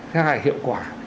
thế hay hiệu quả